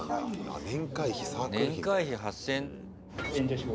年会費、８０００円。